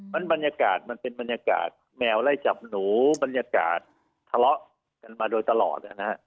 มันเป็นบรรยากาศแมวไล่จับหนูบรรยากาศทะเลาะกันมาโดยตลอด